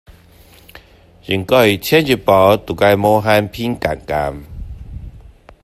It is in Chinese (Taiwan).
應該前陣子忙著評鑑吧